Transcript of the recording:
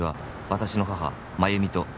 「私の母・麻由美と」